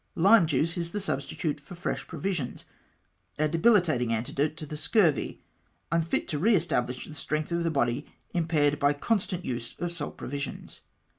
Lime juice is the substitute for fresh provisions, a debilitating antidote to the scurvy — unfit to re establish the strength of the body impaired by the constant use of salt provisions.